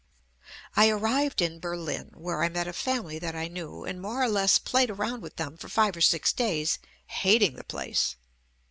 I arrived in Berlin, where I met a family that I knew, and more or less played around with them for five or six days hating the place.